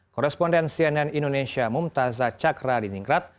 korresponden cnn indonesia mumtazah chakra di ningrat